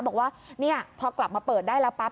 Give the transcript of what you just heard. บอกว่าพอกลับมาเปิดได้แล้วปั๊